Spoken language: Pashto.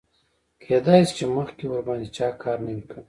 کیدای شي چې مخکې ورباندې چا کار نه وي کړی.